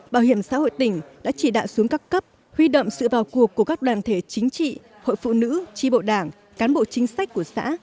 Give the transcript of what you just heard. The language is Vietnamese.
bảo hiểm xã hội tỉnh đã chỉ đạo xuống các cấp huy động sự vào cuộc của các đoàn thể chính trị hội phụ nữ tri bộ đảng cán bộ chính sách của xã